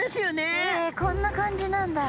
えこんな感じなんだ。